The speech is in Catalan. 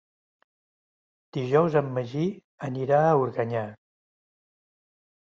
Dijous en Magí anirà a Organyà.